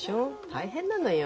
大変なのよ。